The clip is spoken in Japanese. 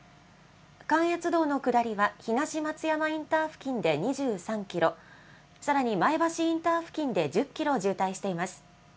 関越道の下りは、東松山インター付近で２３キロ、さらに前橋インター付近で１０キロ渋滞しています。